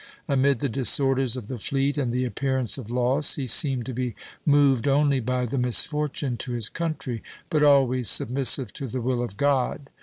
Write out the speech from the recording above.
Amid the disorders of the fleet and the appearance of loss, he seemed to be moved only by the misfortune to his country, but always submissive to the will of God.